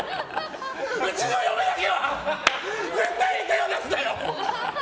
うちの嫁だけは絶対に手を出すなよ！